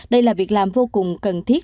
đây là việc làm vô cùng cần thiết